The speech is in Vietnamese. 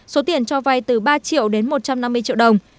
số tiền cho vay từ ba triệu đến một trăm năm mươi triệu đồng